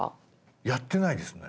やってないですね。